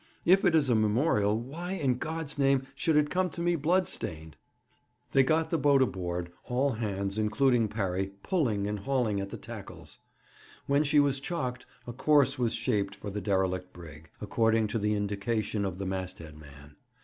'If it is a memorial, why, in God's name, should it come to me blood stained?' They got the boat aboard; all hands, including Parry, pulling and hauling at the tackles. When she was chocked, a course was shaped for the derelict brig, according to the indication of the masthead man.